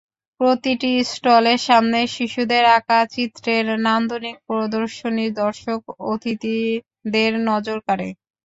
প্রতিটি স্টলের সামনে শিশুদের আঁকা চিত্রের নান্দনিক প্রদর্শনী দর্শক-অতিথিদের নজর কাড়ে।